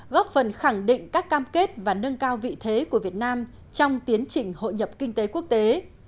góp phần khẳng định các cam kết và nâng cao vị thế của việt nam trong tiến trình hội nhập kinh tế quốc tế